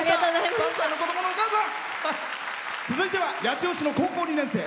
続いては八千代市の高校２年生。